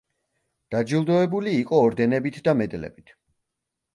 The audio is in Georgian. დაჯილდოებული იყო ორდენებით და მედლებით.